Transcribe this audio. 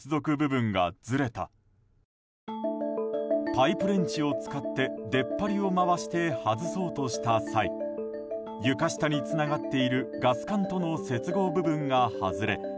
パイプレンチを使って出っ張りを回して外そうとした際床下につながっているガス管との接合部分が外れ